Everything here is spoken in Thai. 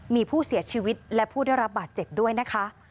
มีผู้เสียชีวิตและผู้ได้รับบาดเจ็บด้วยนะคะ